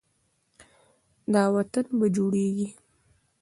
دا وطن به جوړیږي.